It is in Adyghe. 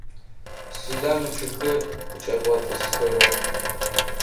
Сыда мы чъыгхэр зыкӏэбгъэтӏысхэрэр?